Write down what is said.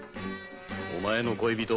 お前の恋人？